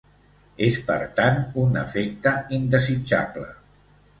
És, per tant, un efecte indesitjable.